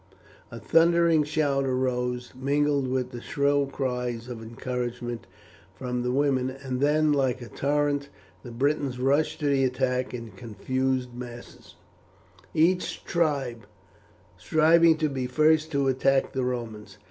A thundering shout arose, mingled with the shrill cries of encouragement from the women, and then like a torrent the Britons rushed to the attack in confused masses, each tribe striving to be first to attack the Romans.